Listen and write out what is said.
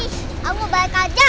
ya mau balik aja